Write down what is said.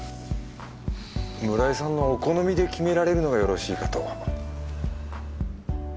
村井さんのお好みで決められるのがよろしいかと。